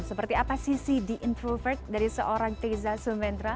seperti apa sisi the infrovert dari seorang teza sumendra